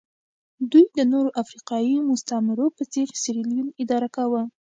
دوی د نورو افریقایي مستعمرو په څېر سیریلیون اداره کاوه.